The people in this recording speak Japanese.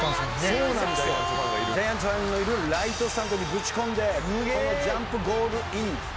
そうなんですよジャイアンツファンのいるライトスタンドにぶち込んでこのジャンプゴールイン。